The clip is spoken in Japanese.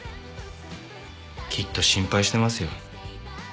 きっと心配してますよ。